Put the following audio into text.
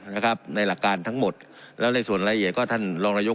นะครับในหลักการทั้งหมดแล้วในส่วนรายละเอียดก็ท่านรองนายก